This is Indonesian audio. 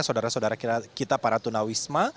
saudara saudara kita para tunawisma